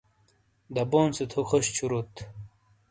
دبون سے تھو خوش چھوروت !